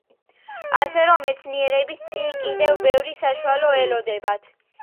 ასე რომ მეცნიერებს წინ კიდევ ბევრი სამუშაო ელოდებათ.